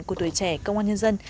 của tuổi trẻ công an nhân dân